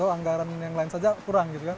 anggaran yang lain saja kurang